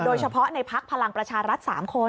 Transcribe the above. โดยเฉพาะในภักดิ์พลังประชารัฐสามคน